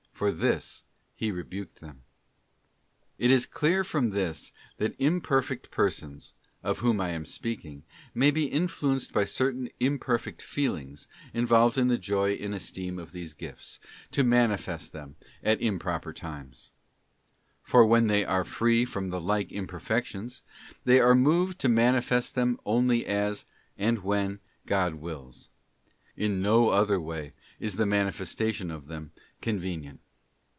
For this He rebuked them.t It is clear from this that imperfect persons, of whom I am speaking, may be influenced by certain imperfect feelings involved in the joy and esteem of these gifts, to manifest them at an improper time. For when they are free from the like imperfections, they are moved to manifest them only as, and when, God wills; in no other way is the manifestation of them convenient.